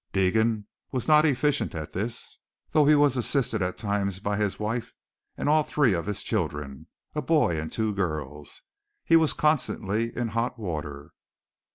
Deegan was not efficient at this, though he was assisted at times by his wife and all three of his children, a boy and two girls. He was constantly in hot water.